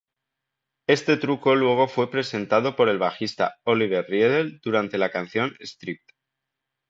Este truco luego fue presentado por el bajista Oliver Riedel durante la canción Stripped.